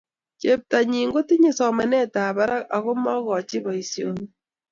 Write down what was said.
Cheptonyi kotinyei somanetab barak akomokochi boisioni